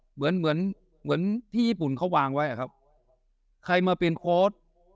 เหมือนเหมือนที่ญี่ปุ่นเขาวางไว้ครับใครมาเปลี่ยนคอร์ส